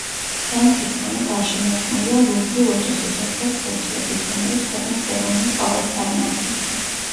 ცენტრის ფონი გარშემორტყმულია ლურჯი ლოტოსის ოქროს ფურცლებით, რომელიც ქვეყნის ეროვნულ ყვავილს წარმოადგენს.